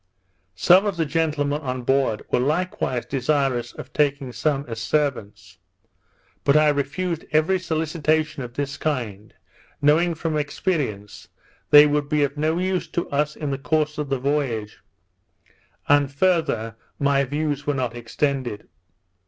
Some of the gentlemen on board were likewise desirous of taking some as servants; but I refused every solicitation of this kind, knowing, from experience, they would be of no use to us in the course of the voyage; and farther my views were not extended.